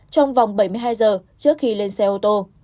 trong vòng bảy mươi hai giờ trước khi lên xe ô tô